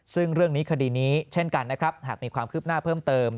ซึ่งเรื่องนี้คดีนี้เช่นกันนะครับหากมีความคืบหน้าเพิ่มเติม